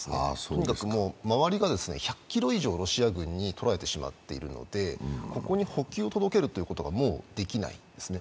とにかく周りが１００ｋｍ以上、ロシア軍に取られてしまっているのでここに補給を届けるということがもうできないですね。